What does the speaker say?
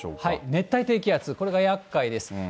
熱帯低気圧、これがやっかいです。